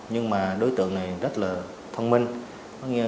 nhưng mà đối tượng này rất là thông minh